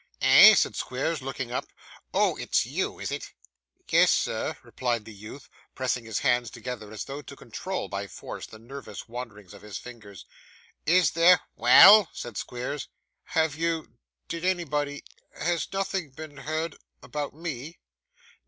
'Eh!' said Squeers, looking up. 'Oh! it's you, is it?' 'Yes, sir,' replied the youth, pressing his hands together, as though to control, by force, the nervous wandering of his fingers. 'Is there ' 'Well!' said Squeers. 'Have you did anybody has nothing been heard about me?